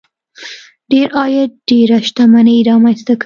ډېر عاید ډېره شتمني رامنځته کوي.